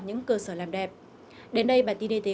những cơ sở làm đẹp đến đây bản tin y tế